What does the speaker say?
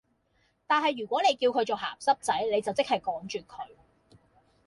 但系如果你叫佢做鹹濕仔，你就即係趕絕佢